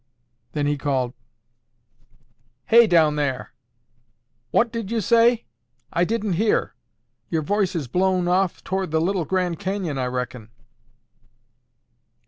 Then he called, "Hey, down there, what did you say? I didn't hear. Your voice is blown off toward the Little Grand Canyon, I reckon."